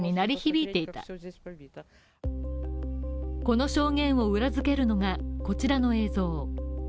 この証言を裏付けるのがこちらの映像。